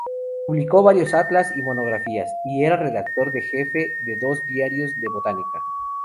Publicó varios atlas y monografías y era redactor jefe de dos diarios de Botánica.